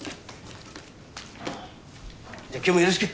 じゃあ今日もよろしく。